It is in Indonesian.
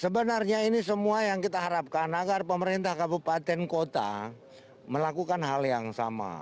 sebenarnya ini semua yang kita harapkan agar pemerintah kabupaten kota melakukan hal yang sama